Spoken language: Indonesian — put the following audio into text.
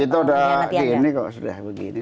itu sudah gini kok sudah gini